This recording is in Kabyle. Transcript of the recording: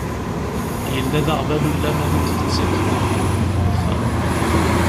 Yella d aɣbalu n laman i d-yettak i yal yiwen deg uxxam.